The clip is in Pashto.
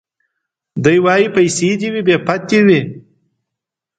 دی وايي پيسې دي وي بې پت دي وي